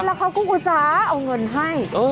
แล้วเค้าก็กุศาเอาเงินให้